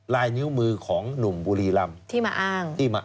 ลายนิ้วมือของหนุ่มบุรีรำ